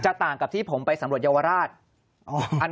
ต่างกับที่ผมไปสำรวจเยาวราช